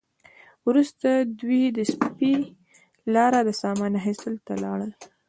وروسته دوی د سپي لپاره د سامان اخیستلو ته لاړل